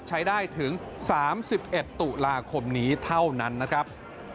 ใช้ได้ถึง๓๑ตุลาคมนี้เท่านั้นนะครับ